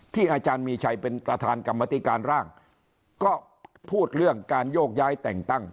อาจารย์มีชัยเป็นประธานกรรมติการร่างก็พูดเรื่องการโยกย้ายแต่งตั้ง